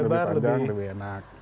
lebih panjang lebih enak